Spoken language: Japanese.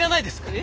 え？